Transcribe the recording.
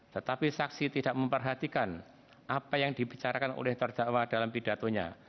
tetapi saksi tidak memperhatikan apa yang dibicarakan oleh terdakwa dalam pidatonya